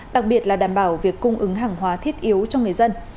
đặc biệt là đảm bảo việc cung ứng hàng hóa thiết yếu cho người dân